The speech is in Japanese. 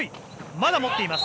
まだ持っています。